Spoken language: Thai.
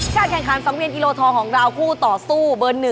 ช่ามแข่งขันสองเมืองกิโลทรของเราคู่ต่อสู้เบอร์๑